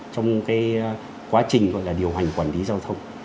trong cái quá trình gọi là điều hành quản lý giao thông